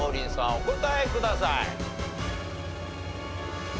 お答えください。